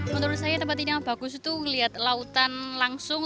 menurut saya tempat ini yang bagus itu melihat lautan langsung